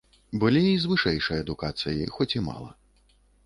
Былі і з вышэйшай адукацыяй, хоць і мала.